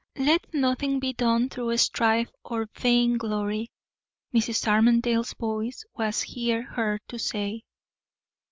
"'Let nothing be done through strife or vainglory,'" Mrs. Armadale's voice was here heard to say.